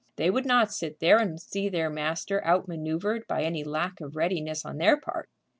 They would not sit there and see their master outmanoeuvred by any lack of readiness on their part.